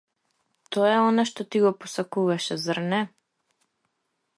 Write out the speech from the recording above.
Тоа е она што ти го посакуваше, зар не?